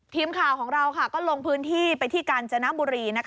ทีมข่าวของเราก็ลงพื้นที่ไปที่กาญจนบุรี